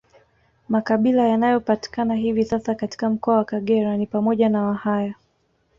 Makabila yanayopatikana hivi sasa katika mkoa wa Kagera ni pamoja na Wahaya